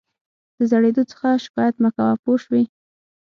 د زړېدو څخه شکایت مه کوه پوه شوې!.